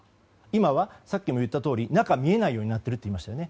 今はさっきも言ったとおり中が見えなくなっていると言いましたよね。